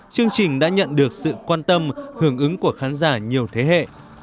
chương trình đã thu hút được sự quan tâm của đông đảo khán giả thủ đô